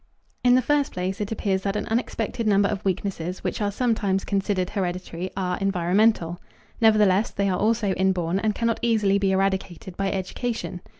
In the first place it appears that an unexpected number of weaknesses which are sometimes considered hereditary are environmental. Nevertheless, they are also inborn and cannot easily be eradicated by education.